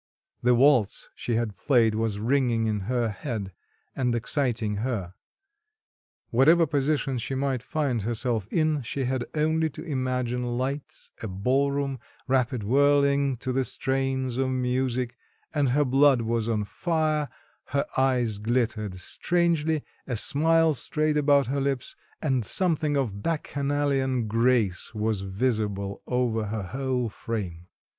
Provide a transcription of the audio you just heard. The waltz she had played was ringing in her head, and exciting her; whatever position she might find herself in, she had only to imagine lights, a ballroom, rapid whirling to the strains of music and her blood was on fire, her eyes glittered strangely, a smile strayed about her lips, and something of bacchanalian grace was visible over her whole frame.